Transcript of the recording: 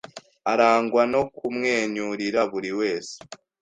arangwa no kumwenyurira buri wese.